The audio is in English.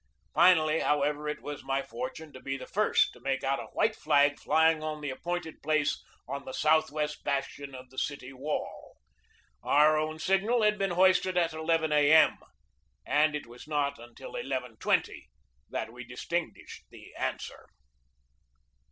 Finally, however, it was my fortune to be the first to make out a white flag flying on the ap pointed place on the southwest bastion of the city wall. Our own signal had been hoisted at n A. M., and it was not until 11.20 that we distinguished the answer.